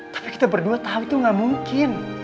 tapi kita berdua tahap itu gak mungkin